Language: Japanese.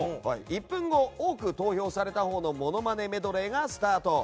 １分後多く投票されたほうのモノマネメドレーがスタート。